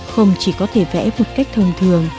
không chỉ có thể vẽ một cách thông thường